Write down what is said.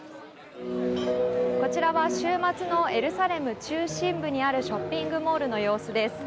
こちらは週末のエルサレム中心部にあるショッピングモールの様子です。